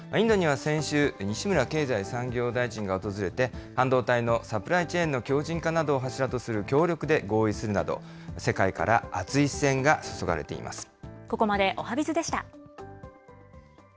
インドには先週、西村経済産業大臣が訪れて、半導体のサプライチェーンの強じん化などを柱とする協力で合意するなど、世界から熱ここまでおはＢｉｚでした。